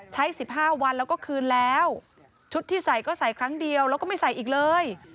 ๑๕วันแล้วก็คืนแล้วชุดที่ใส่ก็ใส่ครั้งเดียวแล้วก็ไม่ใส่อีกเลย